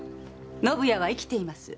宣也は生きています！